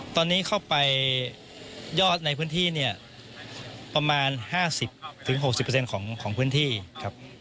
ตอนนี้เข้าไปยอดในพื้นที่เนี่ยประมาณ๕๐๖๐ของพื้นที่ครับ